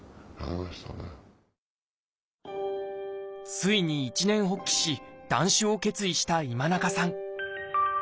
ついに一念発起し断酒を決意した今中さん